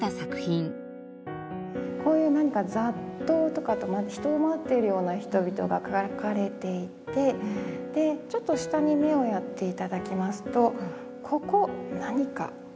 こういう何か雑踏とかと人を待っているような人々が描かれていてちょっと下に目をやって頂きますとここ何か。